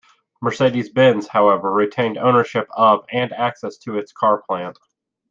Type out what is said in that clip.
Mercedes-Benz, however, retained ownership of and access to its car plant.